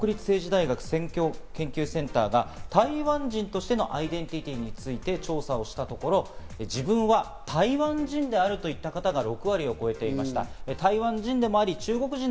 台湾の研究機関の国立政治大学選挙研究センターが台湾人としてのアイデンティティーについて調査をしたところ、自分は台湾人であると言った方が６割を超えていました。